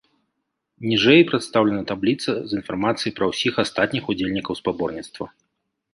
Ніжэй прадстаўлена табліца з інфармацыяй пра ўсіх астатніх удзельнікаў спаборніцтва.